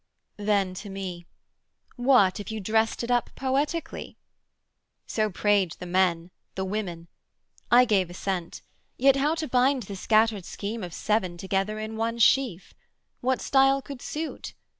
then to me, 'What, if you drest it up poetically?' So prayed the men, the women: I gave assent: Yet how to bind the scattered scheme of seven Together in one sheaf? What style could suit?